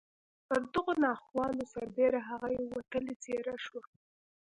پر دغو ناخوالو سربېره هغه یوه وتلې څېره شوه